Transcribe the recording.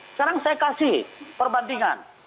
sekarang saya kasih perbandingan